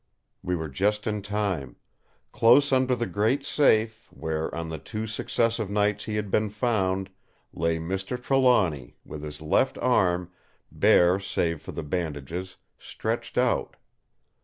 We were just in time. Close under the great safe, where on the two successive nights he had been found, lay Mr. Trelawny with his left arm, bare save for the bandages, stretched out.